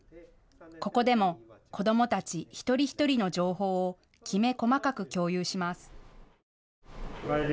ここでも子どもたち一人一人の情報をきめ細かく共有します。